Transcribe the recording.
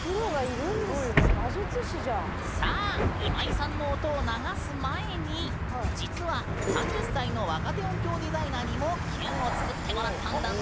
さあ今井さんの音を流す前に実は３０歳の若手音響デザイナーにも「キュン」を作ってもらったんだぬ。